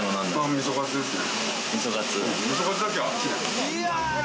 ミソカツですね。